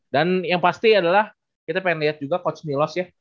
dan yang pasti adalah kita pengen lihat juga coach milos ya